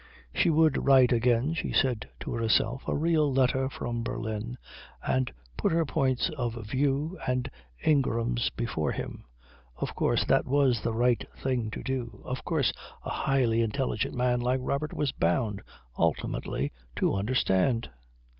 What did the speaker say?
She would write again, she said to herself, a real letter from Berlin and put her points of view and Ingram's before him. Of course that was the right thing to do. Of course a highly intelligent man like Robert was bound ultimately to understand.